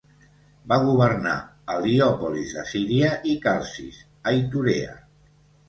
Va governar Heliòpolis de Síria i Calcis, a Iturea.